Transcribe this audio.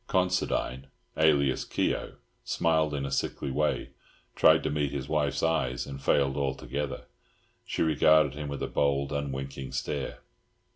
Considine, alias Keogh, smiled in a sickly way, tried to meet his wife's eyes, and failed altogether. She regarded him with a bold, unwinking stare.